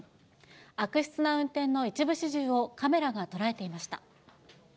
悪質な運転の一部始終をカメラが捉えていました。